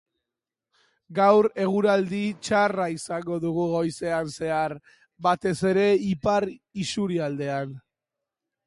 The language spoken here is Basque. Gaur, eguraldi txarra izango dugu goizean zehar, batez ere ipar isurialdean.